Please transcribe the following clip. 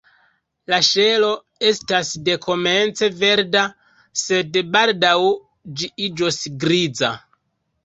La ŝelo estas dekomence verda, sed baldaŭ ĝi iĝos griza.